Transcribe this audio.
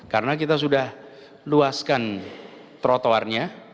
karena kita sudah luaskan trotoarnya